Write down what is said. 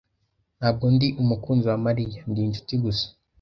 Ntabwo ndi umukunzi wa Mariya. Ndi inshuti gusa.